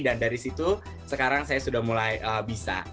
dan dari situ sekarang saya sudah mulai bisa